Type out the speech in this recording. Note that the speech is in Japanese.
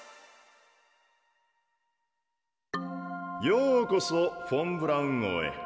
ようこそフォン・ブラウン号へ。